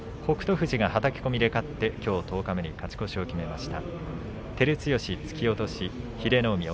富士がはたき込みで勝ってきょう十日目に勝ち越しを決めました。